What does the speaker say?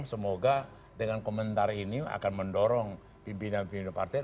semoga dengan komentar ini akan mendorong pimpinan pimpin parta